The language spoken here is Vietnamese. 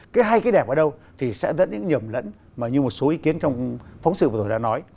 cái hay cái đẹp ở đâu thì sẽ đẫn đến những nhầm lẫn mà như một số ý kiến trong phóng sự vừa rồi đã nói